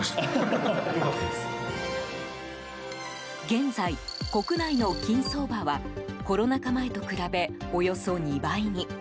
現在、国内の金相場はコロナ禍前と比べおよそ２倍に。